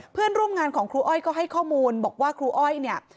เพื่อนร่วมงานของครูอ้อยก็ให้ข้อมูลบอกว่าครูอ้อยเนี่ย